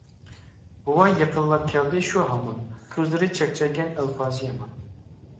بوۋاي يېقىنلاپ كەلدى شۇ ھامان، كۆزلىرى چەكچەيگەن ئەلپازى يامان.